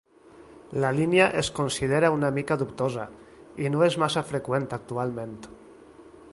La línia es considera una mica dubtosa, i no és massa freqüent actualment.